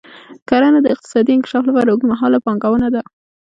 کرنه د اقتصادي انکشاف لپاره اوږدمهاله پانګونه ده.